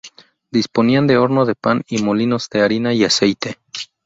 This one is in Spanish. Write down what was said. Disponían de horno de pan y molinos de harina y aceite.